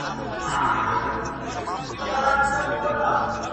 چي وهل یې ولي وخوړل بېځایه؛